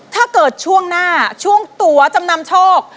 ถ้าเกิดช่วงหน้าช่วงตัวจำนำโชค